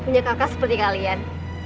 punya kakak seperti kalian